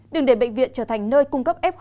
đừng để bệnh viện trở thành nơi cung cấp f hai